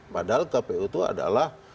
padahal kpu itu adalah